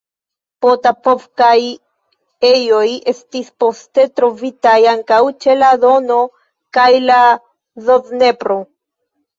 Potapovkaj ejoj estis poste trovitaj ankaŭ ĉe la Dono kaj la Dnepro.